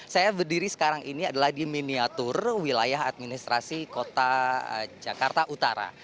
saya berdiri sekarang ini adalah di miniatur wilayah administrasi kota jakarta utara